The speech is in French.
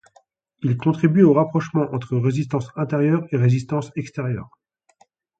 Il contribue au rapprochement entre résistance intérieure et résistance extérieure.